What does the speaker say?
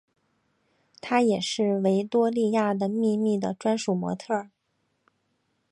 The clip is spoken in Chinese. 她也是维多利亚的秘密的专属模特儿。